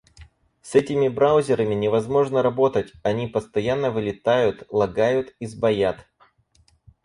С этими браузерами невозможно работать. Они постоянно вылетают, лагают и сбоят.